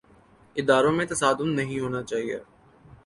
اداروں میں تصادم نہیں ہونا چاہیے۔